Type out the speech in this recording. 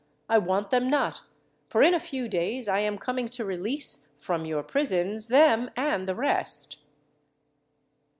I want them not; for in a few days I am coming to release, from your prisons, them and the rest."